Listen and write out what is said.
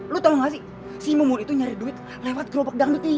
lo tau gak sih si mumun itu nyari duit lewat gerobak dangdut ini